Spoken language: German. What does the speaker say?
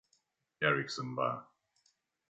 Eriksson war.